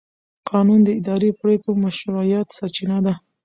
قانون د اداري پرېکړو د مشروعیت سرچینه ده.